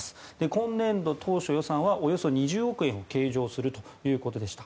今年度、当初予算はおよそ２０億円を計上するということでした。